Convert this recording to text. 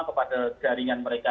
kepada jaringan mereka